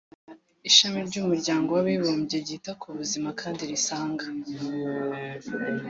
Ishami ry’Umuryango w’Abibumbye ryita ku Buzima kandi risanga